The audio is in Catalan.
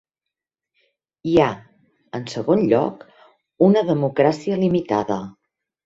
Hi ha, en segon lloc, una democràcia limitada.